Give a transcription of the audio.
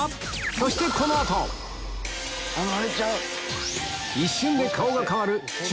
そしてこの後あれちゃう？